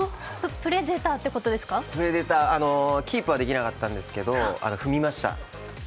プレデター、キープはできなかったんですけど。